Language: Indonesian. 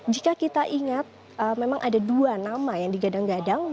jika kita ingat memang ada dua nama yang digadang gadang